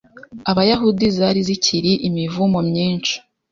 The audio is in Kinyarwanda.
Abayahudi zari zikiri imivumo myinshi